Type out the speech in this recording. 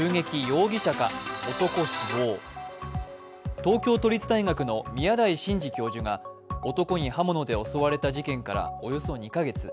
東京都立大学の宮台真司教授が男に刃物で襲われた事件からおよそ２か月。